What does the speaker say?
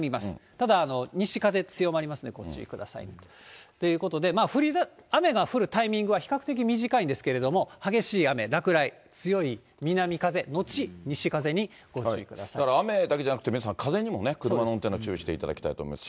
ただ、西風強まりますので、ご注意ください。ということで、雨が降るタイミングは比較的短いんですけれども、激しい雨、落雷、だから雨だけじゃなくて皆さん、風にもね、車の運転など、注意していただきたいと思います。